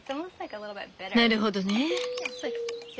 なるほどね。